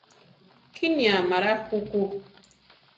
Kíni amará juku.